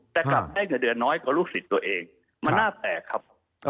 แต่กลับได้เงินเดือนน้อยกว่าลูกศิษย์ตัวเองมันน่าแปลกครับ